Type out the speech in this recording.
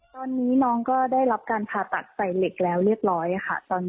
ตอนนี้น้องก็ได้รับการผ่าตัดใส่เหล็กแล้วเรียบร้อยค่ะ